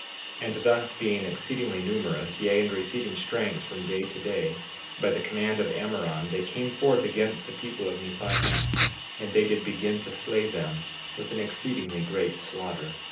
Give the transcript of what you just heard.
59:7 And thus being exceedingly numerous, yea, and receiving strength from day to day, by the command of Ammoron they came forth against the people of Nephihah, and they did begin to slay them with an exceedingly great slaughter.